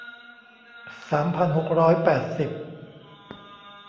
สามพันหกร้อยแปดสิบ